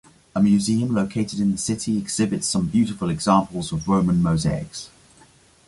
A museum located in the city exhibits some beautiful examples of Roman mosaics.